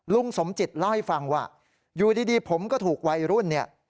ลุงสมจิตเล่าให้ฟังว่าอยู่ดีผมก็ถูกวัยรุ่นเนี่ย